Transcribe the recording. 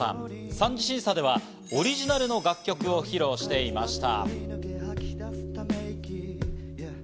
３次審査ではオリジナルの楽曲を披露していました。